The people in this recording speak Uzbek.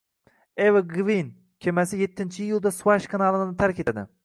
Ever Given kemasiyettiiyulda Suvaysh kanalini tark etadi